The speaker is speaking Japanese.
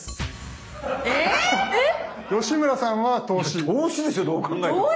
いや投資ですよどう考えても。